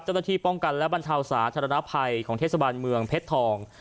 เจ้าหน้าที่ป้องกันและบรรเทาสาธารณภัยของเทศบาลเมืองเพชรทอง